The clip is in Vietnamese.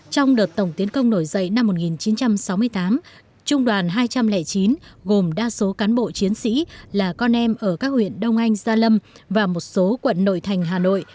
trong đợt tổng tiến công nổi dậy năm một nghìn chín trăm sáu mươi tám trung đoàn hai trăm linh chín gồm đa số cán bộ chiến sĩ là con em ở các huyện đông anh gia lâm và một số quận nội thành hà nội